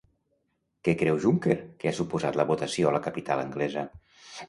Què creu Juncker que ha suposat la votació a la capital anglesa?